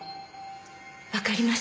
わかりました。